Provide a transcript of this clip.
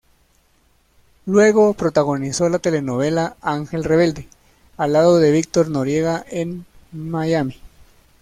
Luego protagonizó la telenovela "Ángel rebelde" al lado de Victor Noriega en Miami.